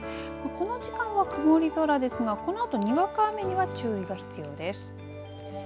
この時間は曇り空ですがこのあと、にわか雨には注意が必要です。